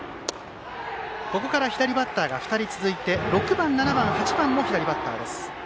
ここから左バッターが２人続いて６番、７番、８番も左バッター。